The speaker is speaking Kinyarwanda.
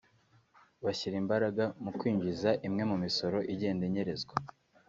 bashyira imbaraga mu kwinjiza imwe mu misoro igenda inyerezwa